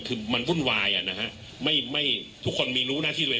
คือมันวุ่นวายอ่ะนะฮะไม่ไม่ทุกคนมีรู้หน้าที่เลย